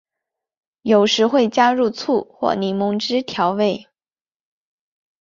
有时会加入醋或柠檬汁调味。